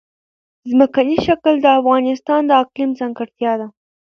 ځمکنی شکل د افغانستان د اقلیم ځانګړتیا ده.